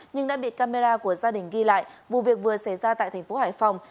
nhưng đã bị camera của gia đình ghi lại vụ việc vừa xảy ra tại thành phố hải phòng